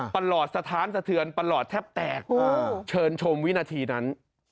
หลอดสถานสะเทือนประหลอดแทบแตกเชิญชมวินาทีนั้น